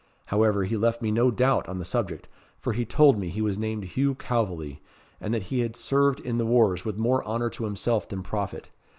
However, he left me no doubt on the subject, for he told me he was named Hugh Calveley, and that he had served in the wars with more honour to himself than profit.